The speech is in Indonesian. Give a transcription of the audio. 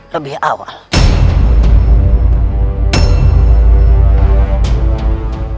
lebih amat berguna